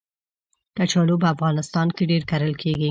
کچالو په افغانستان کې ډېر کرل کېږي